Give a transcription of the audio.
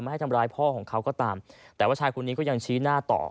ให้ทำร้ายพ่อของเขาก็ตามแต่ว่าชายคนนี้ก็ยังชี้หน้าต่อ